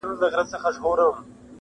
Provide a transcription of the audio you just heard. ښوونه او روزنه ټولنې ته پرمختګ ورکوي.